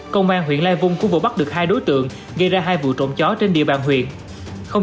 công an huyện lai vung cũng vừa bắt được hai đối tượng gây ra hai vụ trộm chó trên địa bàn huyện